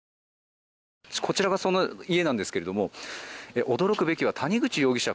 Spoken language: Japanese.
こちらがその家なんですが驚くべきは谷口容疑者